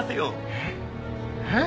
えっ？えっ？